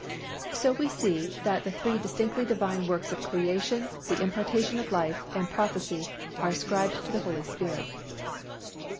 So we see that the three distinctly Divine works of creation, the impartation of life, and prophecy are ascribed to the Holy Spirit.